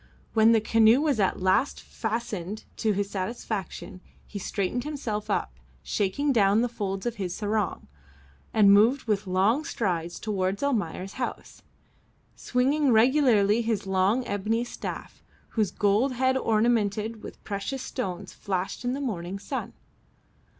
When the canoe was at last fastened to his satisfaction he straightened himself up, shaking down the folds of his sarong, and moved with long strides towards Almayer's house, swinging regularly his long ebony staff, whose gold head ornamented with precious stones flashed in the morning sun.